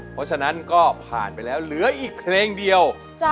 เพราะฉะนั้นก็ผ่านไปแล้วเหลืออีกเพลงเดียว